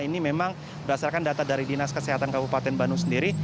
ini memang berdasarkan data dari dinas kesehatan kabupaten bandung sendiri